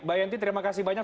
mbak yenti terima kasih banyak